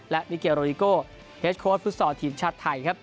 และมิเกียร์โรดิโกแฮจโค้ชฟุตสอร์ทีมชาติไทย